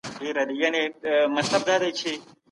سردرد د بدن بېلابېلو برخو ته خپرېږي.